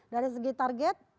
dari segi target